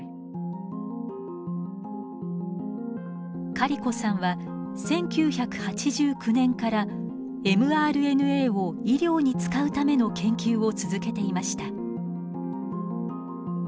カリコさんは１９８９年からｍＲＮＡを医療に使うための研究を続けていました。